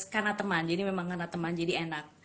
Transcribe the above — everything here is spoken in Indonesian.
karena teman jadi memang karena teman jadi enak